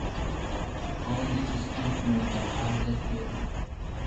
Call this statement the hydra theorem.